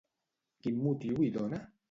Quin motiu hi dona?